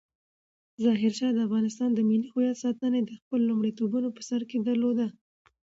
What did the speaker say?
ظاهرشاه د افغانستان د ملي هویت ساتنه د خپلو لومړیتوبونو په سر کې درلودله.